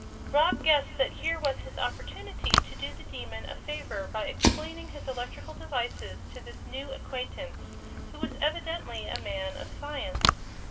Rob guessed that here was his opportunity to do the Demon a favor by explaining his electrical devices to this new acquaintance, who was evidently a man of science.